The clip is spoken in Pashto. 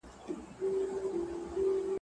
چي نه عقل او نه زور د چا رسېږي.